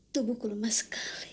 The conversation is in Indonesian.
suruh jalan jokowi